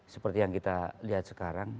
seperti yang kita lihat sekarang